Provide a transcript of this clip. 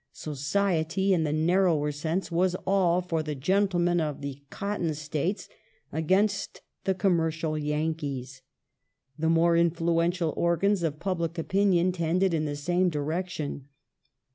"Society" in the narrower sense was all for the gentlemen of the cotton States against the commercial Yankees. The more influential organs of public opinion tended in the same direction.